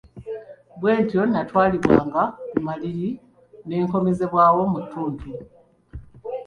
Bwentyo natwalibwanga ku maliiri ne nkomezebwangawo mu ttuntu.